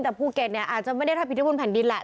แต่ภูเกัดอาจจะไม่ได้ถามผิดฮลบนแผ่นดินแหละ